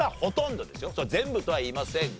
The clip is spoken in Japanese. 全部とは言いませんが。